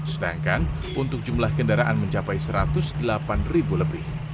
sedangkan untuk jumlah kendaraan mencapai satu ratus delapan ribu lebih